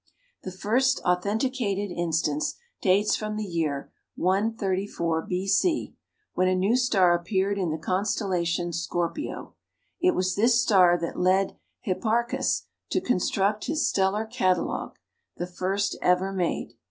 The first authenticated instance dates from the year 134 B.C., when a new star appeared in the constellation Scorpio. It was this star that led Hipparchus to construct his stellar catalogue, the first ever made.